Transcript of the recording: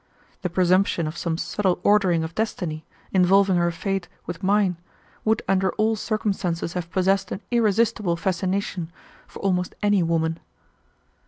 The presumption of some subtle ordering of destiny, involving her fate with mine, would under all circumstances have possessed an irresistible fascination for almost any woman.